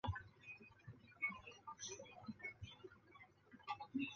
线纹原缨口鳅为平鳍鳅科原缨口鳅属的鱼类。